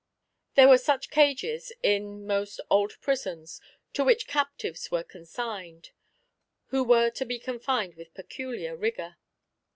There were such cages in most old prisons to which captives were consigned, who were to be confined with peculiar rigour.